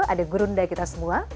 ada gurunda kita semua